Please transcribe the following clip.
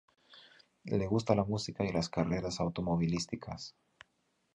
Le gusta la música y las carreras automovilísticas.